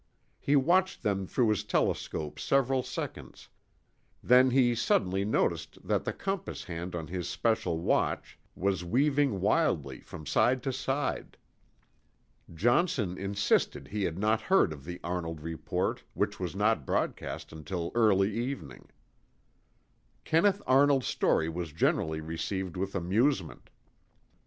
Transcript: He watched them through his telescope several seconds. then he suddenly noticed that the compass hand on his special watch was weaving wildly from side to side. Johnson insisted he had not heard of the Arnold report, which was not broadcast until early evening. Kenneth Arnold's story was generally received with amusement.